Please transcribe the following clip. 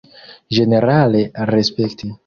Ĝenerale respekti!